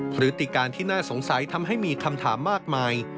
ฤติการที่น่าสงสัยทำให้มีคำถามมากมาย